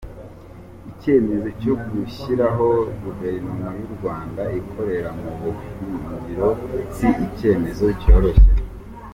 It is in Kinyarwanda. Icyemezo cyo gushyiraho Guverinoma y’u Rwanda ikorera mu buhungiro si icyemezo cyoroshye.